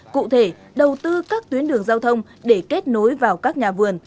cụ thể đầu tư các tuyến đường giao thông để kết nối vào các nhà vườn